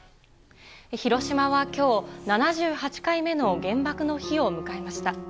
広島はきょう、７８回目の原爆の日を迎えました。